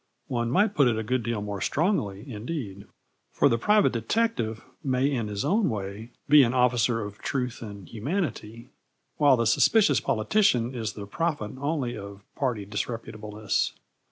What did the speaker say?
One might put it a good deal more strongly, indeed, for the private detective may in his own way be an officer of truth and humanity, while the suspicious politician is the prophet only of party disreputableness.